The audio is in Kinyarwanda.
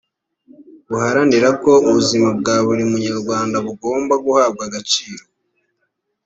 buharanira ko ubuzima bwa buri munyarwanda bugomba guhabwa agaciro